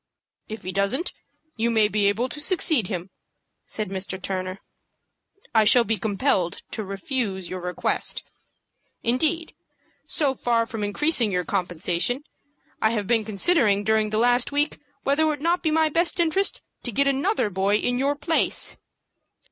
"If he doesn't, you may be able to succeed him," said Mr. Turner. "I shall be compelled to refuse your request. Indeed, so far from increasing your compensation, I have been considering during the last week whether it would not be for my interest to get another boy in your place."